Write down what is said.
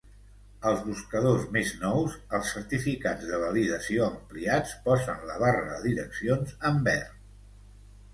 Als buscadors més nous, els certificats de validació ampliats posen la barra de direccions en verd.